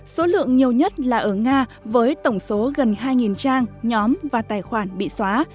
số lượng nhiều nhất là ở nga với tổng số gần hai trang nhóm và tài khoản bị xóa